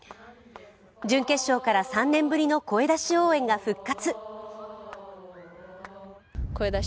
準決勝から、３年ぶりの声出し応援が復活。